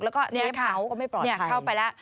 เส้นเผาไปไปแล้ว